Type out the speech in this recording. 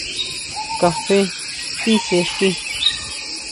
Kafé tisexi.